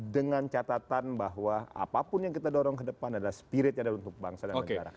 dengan catatan bahwa apapun yang kita dorong ke depan adalah spiritnya adalah untuk bangsa dan negara